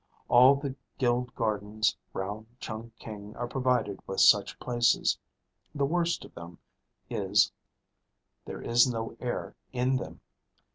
All the guild gardens round Chungking are provided with such places. The worst of them is, there is no air in them.